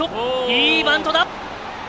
いいバントだ。